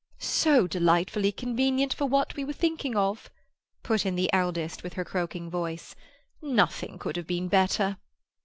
"So delightfully convenient for what we were thinking of," put in the eldest, with her croaking voice. "Nothing could have been better."